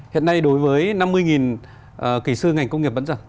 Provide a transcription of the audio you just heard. hiện nay đối với năm mươi kỹ sư ngành công nghiệp bán dẫn